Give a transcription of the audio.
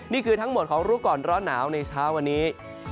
นี่คือทั้งหมดของรู้ก่อนร้อนหนาวในเช้าวันนี้